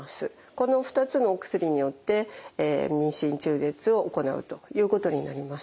この２つのお薬によって妊娠中絶を行うということになります。